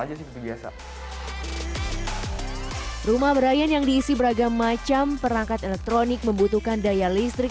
aja seperti biasa rumah brian yang diisi beragam macam perangkat elektronik membutuhkan daya listrik